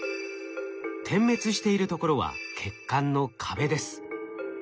点滅しているところは血管の壁です。